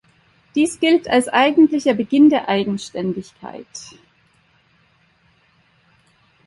Dies gilt als eigentlicher Beginn der Eigenständigkeit.